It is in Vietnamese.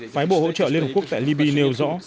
phái bộ hỗ trợ liên hợp quốc tại liby nêu rõ